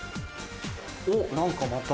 おっ何かまた。